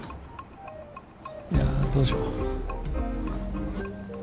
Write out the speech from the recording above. いや、どうしよう。